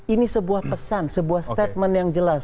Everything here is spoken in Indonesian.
ini sebuah pesan sebuah statement yang jelas